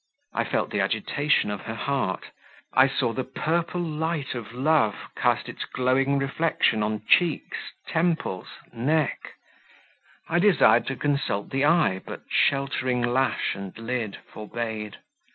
I felt the agitation of the heart, I saw "the purple light of love" cast its glowing reflection on cheeks, temples, neck; I desired to consult the eye, but sheltering lash and lid forbade.